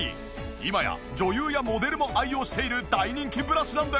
今や女優やモデルも愛用している大人気ブラシなんです！